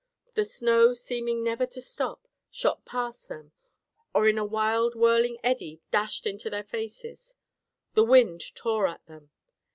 The snow, seeming never to stop, shot past them, or in a wild whirling eddy dashed into their faces. The wind tore at them.